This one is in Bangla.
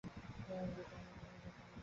কত ধর্মাত্মা আজীবন দুঃখে কাটাইয়া গিয়াছেন।